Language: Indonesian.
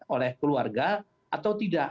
oleh keluarga atau tidak